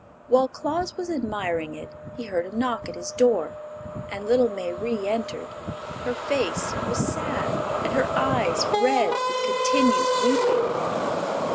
While Claus was admiring it he heard a knock at his door, and little Mayrie entered. Her face was sad and her eyes red with continued weeping.